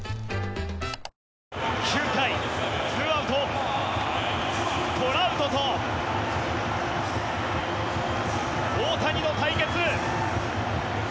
９回ツーアウトトラウトと大谷の対決。